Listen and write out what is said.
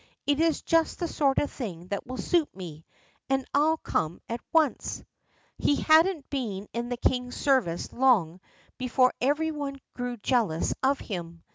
"It is just the sort of thing that will suit me, and I'll come at once." He hadn't been in the king's service long before every one grew jealous of him.